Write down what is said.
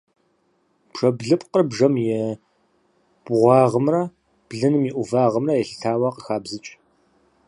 Бжэблыпкъыр бжэм и бгъуагъымрэ блыным и ӏувагъымрэ елъытауэ къыхабзыкӏ.